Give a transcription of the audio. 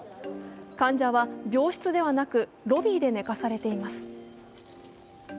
患者は病室ではなくロビーで寝かされています。